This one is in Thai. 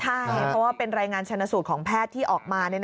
ใช่เพราะว่าเป็นรายงานชนสูตรของแพทย์ที่ออกมา